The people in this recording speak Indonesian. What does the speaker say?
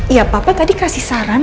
iya papa tadi kasih saran